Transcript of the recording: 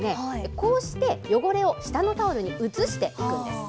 こうして汚れを下のタオルに移していくんです。